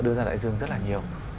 đưa ra đại dương rất là nhiều